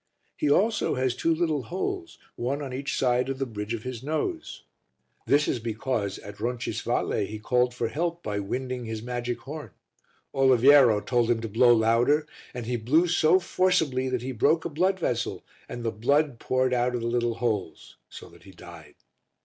He also has two little holes, one on each side of the bridge of his nose. This is because at Roncisvalle he called for help by winding his magic horn; Oliviero told him to blow louder and he blew so forcibly that he broke a blood vessel and the blood poured out of the little holes so that he died.